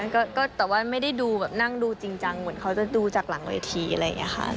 ก็แต่ว่าไม่ได้ดูแบบนั่งดูจริงจังเหมือนเขาจะดูจากหลังเวทีอะไรอย่างนี้ค่ะ